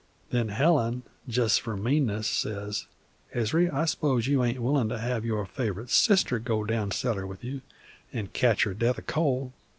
Then Helen, jest for meanness, says: 'Ezry, I s'pose you ain't willin' to have your fav'rite sister go down cellar with you an' catch her death o' cold?'